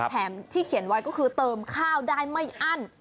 แถมที่เขียนไว้ก็คือเติมข้าวได้ไม่อั้น